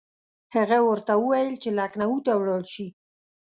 هغه ورته وویل چې لکنهو ته ولاړ شي.